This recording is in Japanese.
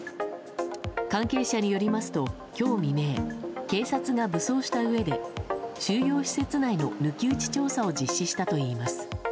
関係者によりますと今日未明警察が武装したうえで収容施設内の抜き打ち調査を実施したといいます。